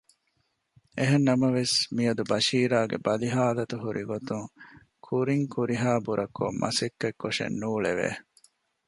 އެހެންނަމަވެސް މިއަދު ބަޝީރާގެ ބަލިހާލަތު ހުރިގޮތުން ކުރިން ކުރިހާ ބުރަކޮން މަސައްކަތް ކޮށެއް ނޫޅެވެ